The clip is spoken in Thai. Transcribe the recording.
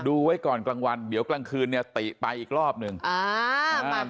ไว้ก่อนกลางวันเดี๋ยวกลางคืนเนี่ยติไปอีกรอบหนึ่งอ่าอ่า